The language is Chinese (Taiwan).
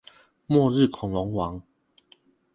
末日恐龍王